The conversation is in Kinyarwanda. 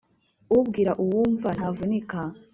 Ubwira uwumva ntavunika